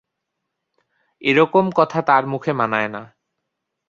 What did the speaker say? এরকম কথা তাঁর মুখে মানায় না।